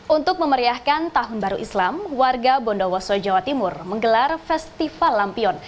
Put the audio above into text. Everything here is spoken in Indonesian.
untuk memeriahkan tahun baru islam warga bondowoso jawa timur menggelar festival lampion